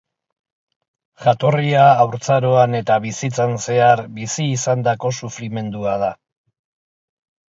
Jatorria haurtzaroan eta bizitzan zehar bizi izandako sufrimendua da.